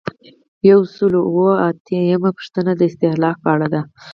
یو سل او اووه اتیایمه پوښتنه د استهلاک په اړه ده.